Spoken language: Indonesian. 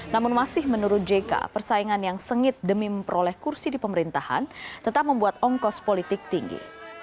namun masih menurut jk persaingan yang sengit demi memperoleh kursi di pemerintahan tetap membuat ongkos politik tinggi